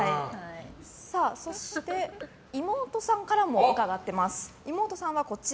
そして、妹さんからも伺っています。